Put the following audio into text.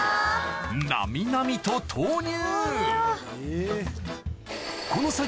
なみなみと投入